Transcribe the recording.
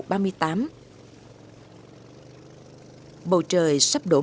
bầu trời sắp đến